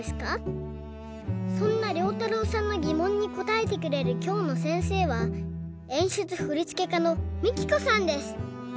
そんなりょうたろうさんのぎもんにこたえてくれるきょうのせんせいはえんしゅつふりつけかのＭＩＫＩＫＯさんです。